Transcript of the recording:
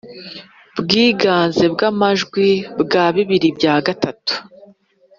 bwiganze bw amajwi bwa bibiri bya gatatu